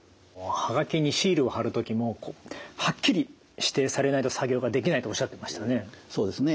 はがきにシールを貼る時もはっきり指定されないと作業ができないとおっしゃってましたよね。